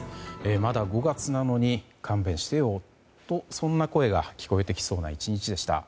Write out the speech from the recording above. まだ５月なのに勘弁してよとそんな声が聞こえてきそうな１日でした。